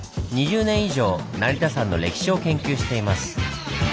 ２０年以上成田山の歴史を研究しています。